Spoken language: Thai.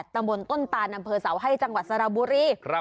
ตำบลต้นตานอำเภอเสาให้จังหวัดสระบุรี